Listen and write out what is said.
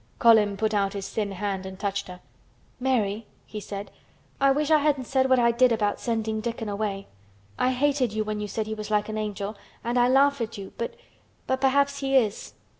Colin put out his thin hand and touched her. "Mary," he said, "I wish I hadn't said what I did about sending Dickon away. I hated you when you said he was like an angel and I laughed at you but—but perhaps he is."